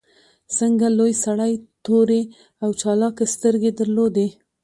ځکه لوی سړي تورې او چالاکې سترګې درلودې